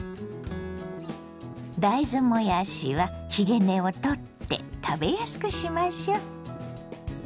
大豆もやしはひげ根を取って食べやすくしましょ。